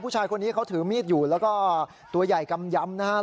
ผู้ชายคนนี้เขาถือมีดอยู่แล้วก็ตัวใหญ่กำยำนะครับ